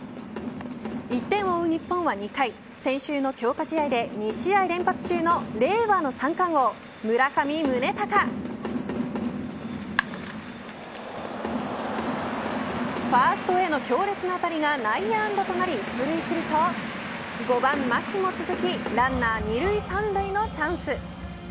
１点を追う日本は、２回先週の強化試合で２試合連発中の令和の三冠王、村上宗隆。ファーストへの強烈な当たりが内野安打となり出塁すると５番牧も続きランナー２塁３塁のチャンス。